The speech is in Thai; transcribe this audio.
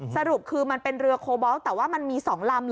สรุปคือมันเป็นเรือโคบอลแต่ว่ามันมี๒ลำ